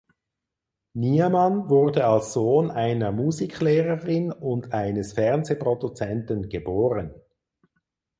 Niemann wurde als Sohn einer Musiklehrerin und eines Fernsehproduzenten geboren.